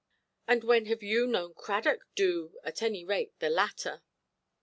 "And when have you known Cradock do, at any rate, the latter"?